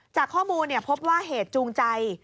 จากข้อมูลพบว่าเหตุจูงใจ